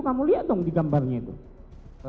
kamu lihat dong di gambarnya itu